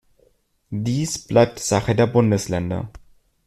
Dies bleibt Sache der Bundesländer.